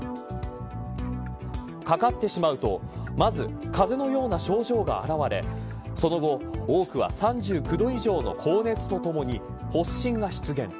かかってしまうとまず、かぜのような症状が現れその後、多くは３９度以上の高熱とともにほっしんが出現。